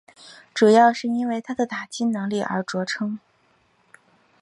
主要是因为他的打击能力而着称。